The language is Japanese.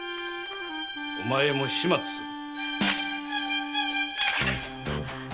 お前も始末する。